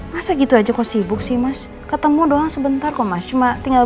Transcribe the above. masa gitu aja kok sibuk sih mas ketemu doang sebentar kok mas cuma tinggal